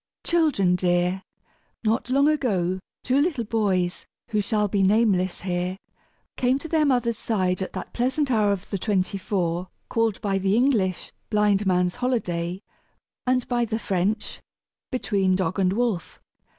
_ Children Dear: Not long ago two little boys, who shall be nameless here, came to their mother's side at that pleasant hour of the twenty four called by the English "blind man's holiday," and by the French, "between dog and wolf."